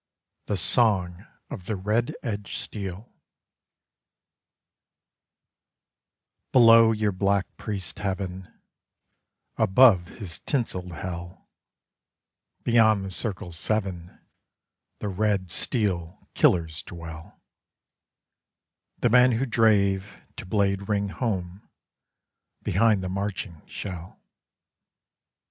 THE SONG OF THE RED EDGED STEEL _Below your black priest's heaven, Above his tinselled hell, Beyond the Circles Seven, The Red Steel Killers dwell The men who drave, to blade ring home, behind the marching shell.